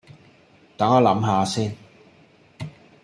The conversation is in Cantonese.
等我諗吓先